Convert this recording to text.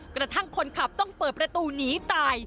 กระทั่งคนขับต้องเปิดประตูหนีตาย